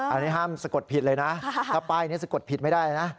อันนี้ห้ามสะกดผิดเลยนะถ้าป้ายนี้สะกดผิดไม่ได้นะ